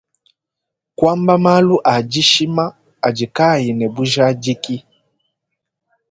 Kuamba malu adishima adi kaayi ne bujadiki.